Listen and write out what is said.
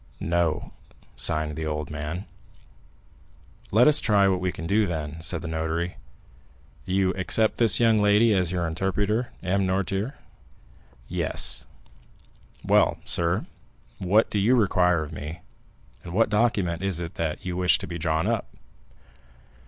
"No," signed the old man. "Let us try what we can do, then," said the notary. "You accept this young lady as your interpreter, M. Noirtier?" "Yes." "Well, sir, what do you require of me, and what document is it that you wish to be drawn up?"